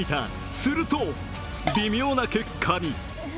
すると、微妙な結果に。